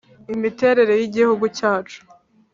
i miterere yigihugu cyacu